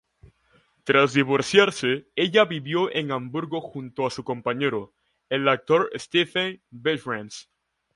Tras divorciarse, ella vivió en Hamburgo junto a su compañero, el actor Stefan Behrens.